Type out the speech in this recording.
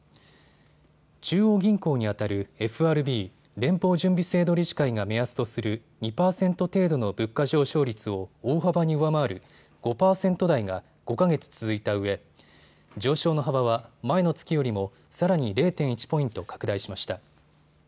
中央銀行にあたるＦＲＢ・連邦準備制度理事会が目安とする２％程度の物価上昇率を大幅に上回る５％台が５か月続いたうえ上昇の幅は前の月よりもさらに０．１ポイント拡大しました。